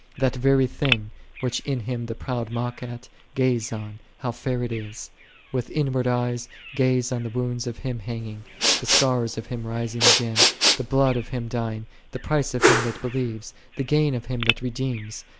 That very thing, which in Him the proud mock at, gaze on, how fair it is: with inward eyes gaze on the wounds of Him hanging, the scars of Him rising again, the blood of Him dying, the price of him that believes, the gain of Him that redeems.